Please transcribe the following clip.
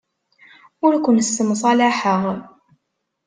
Ur ken-ssemṣalaḥeɣ.